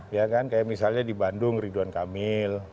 ya kan kayak misalnya di bandung ridwan kamil